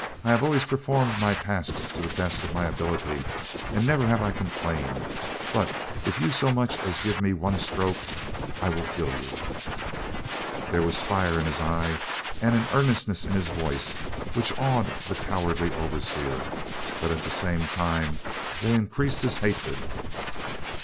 I have always performed my tasks to the best of my ability, and never have I complained; but if you so much as give me one stroke, I will kill you." There was fire in his eye and an earnestness in his voice, which awed the cowardly overseer; but at the same time they increased his hatred.